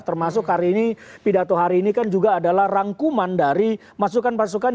termasuk hari ini pidato hari ini kan juga adalah rangkuman dari masukan masukan